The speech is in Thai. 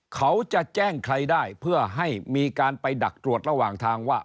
เขาจะแจ้งใครได้เพื่อให้มีการไปดักตรวจระหว่างทางว่า